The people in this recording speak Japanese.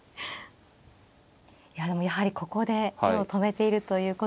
いやでもやはりここで手を止めているということは。